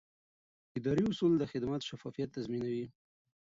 اداري اصول د خدمت شفافیت تضمینوي.